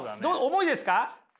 重いですか？